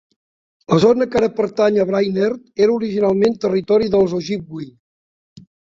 La zona que ara pertany a Brainerd era originalment territori dels Ojibwe.